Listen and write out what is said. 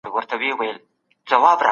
برسونه باید د ماشومانو له لاسه لېرې وي.